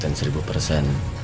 dan seribu persen